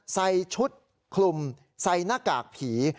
ใส่ชุดคลุมใส่หน้ากากผี